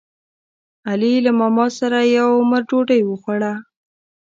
علي له ماماسره یو عمر ډوډۍ وخوړه.